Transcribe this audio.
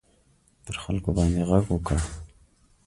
پر خلکو باندي ږغ وکړ.